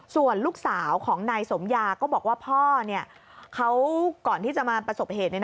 ส่วนลูกสาวของนายสมยาก็บอกว่าพ่อเขาก่อนที่จะมาประสบเหตุ